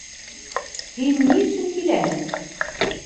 Һин ни өсөн киләһең?